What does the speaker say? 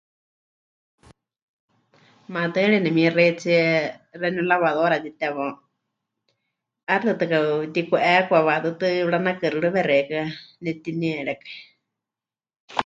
Maatɨari nemixeitsie xeeníu lavadora mɨtitewá, 'aixɨ tɨtɨ kapɨtiku'eekwa waʼatɨɨ́tɨ pɨranakuxɨrɨwe xeikɨ́a nepɨtinierékai.